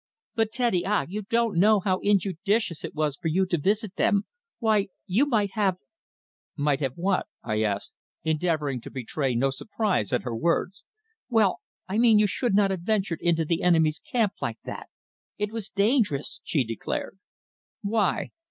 "But, Teddy ah! You don't know how injudicious it was for you to visit them. Why, you might have " "Might have what?" I asked, endeavouring to betray no surprise at her words. "Well, I mean you should not have ventured into the enemy's camp like that. It was dangerous," she declared. "Why?"